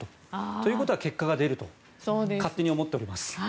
ということは結果が出ると勝手に思っています。